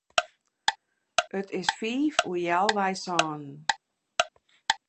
It is fiif oer healwei sânen.